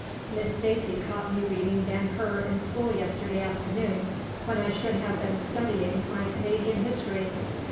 Miss Stacy caught me reading Ben Hur in school yesterday afternoon when I should have been studying my Canadian history.